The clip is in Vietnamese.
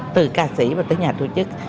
từ ca sĩ và tới nhà tổ chức